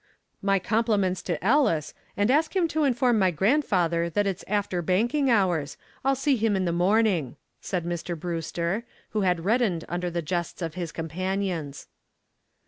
"My compliments to Ellis, and ask him to inform my grandfather that it's after banking hours. I'll see him in the morning," said Mr. Brewster, who had reddened under the jests of his companions.